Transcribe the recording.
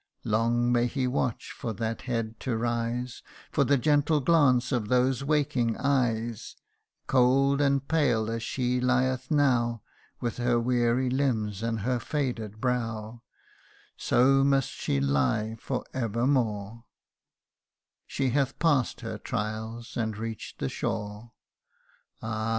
Long may he watch for that head to rise, For the gentle glance of those waking eyes : Cold and pale as she lieth now With her weary limbs, and her faded brow, So must she lie for evermore She hath pass'd her trials, and reach 'd the shore ' 166 THE UNDYING ONE. Ah